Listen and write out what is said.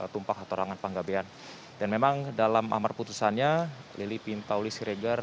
tumpak hatorangan panggabean dan memang dalam amar putusannya lili pintauli siregar